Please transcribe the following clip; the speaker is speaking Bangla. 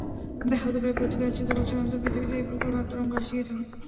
বাহ্যত প্রায় প্রতি পাঁচশত বৎসর অন্তর পৃথিবীতে এই প্রকার ভাব-তরঙ্গ আসিয়া থাকে।